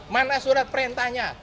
mana surat perintahnya